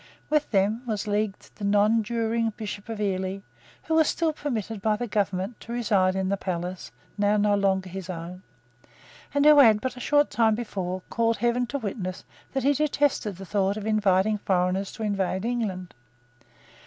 With them, was leagued the nonjuring Bishop of Ely, who was still permitted by the government to reside in the palace, now no longer his own, and who had, but a short time before, called heaven to witness that he detested the thought of inviting foreigners to invade England.